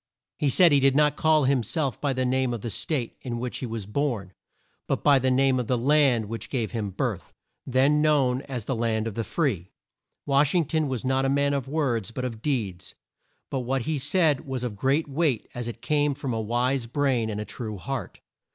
He said he did not call him self by the name of the State in which he was born, but by the name of the land which gave him birth then known as "the land of the free." Wash ing ton was not a man of words, but of deeds. But what he said was of great weight as it came from a wise brain and a true heart.